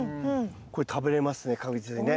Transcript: これ食べれますね確実にね。